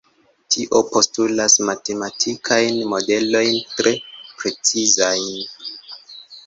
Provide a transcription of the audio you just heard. Tio postulas matematikajn modelojn tre precizajn.